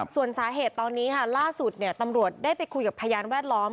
ส่วนสาเหตุตอนนี้ค่ะล่าสุดตำรวจได้ไปคุยกับพยานแวดล้อม